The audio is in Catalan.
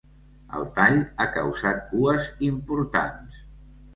El tall ha causat cues importants.